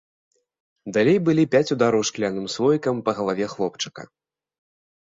Далей былі пяць удараў шкляным слоікам па галаве хлопчыка.